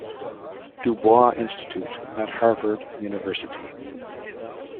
Du Bois Institute at Harvard University.